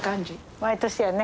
毎年やね。